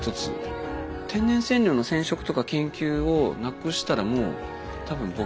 天然染料の染色とか研究をなくしたらもう多分僕ではない。